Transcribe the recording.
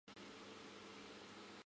车站色调为白色及红色。